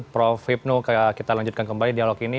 prof hipnu kita lanjutkan kembali dialog ini